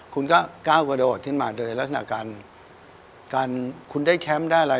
คุณก็ก้าวกระโดดขึ้นมาโดยลักษณะการการคุณได้แชมป์ได้อะไร